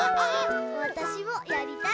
わたしもやりたい！